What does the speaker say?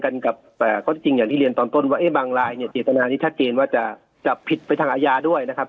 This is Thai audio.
แบบอย่างที่เลียนตอนต้นบางรายเนี่ยเจ็กตนานี้ชาติเกณฑ์ว่าจะผิดไปทางอาญาด้วยนะครับ